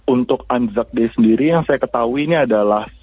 untuk ansar d sendiri yang saya ketahui ini adalah